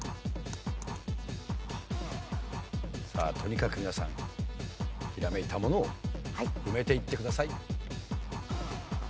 さあとにかく皆さんひらめいたものを埋めていってください。